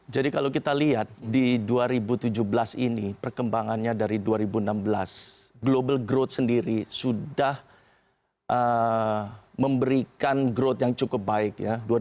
jadi kalau kita lihat di dua ribu tujuh belas ini perkembangannya dari dua ribu enam belas global growth sendiri sudah memberikan growth yang cukup baik